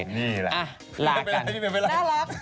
นี่แบบนี้ไม่เป็นไร